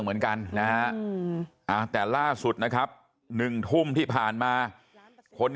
แต่อาการเปลี่ยนไปเป็นคนละคน